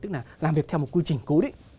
tức là làm việc theo một quy trình cố định